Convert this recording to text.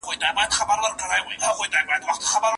بریالي کسان به خطرونه مني.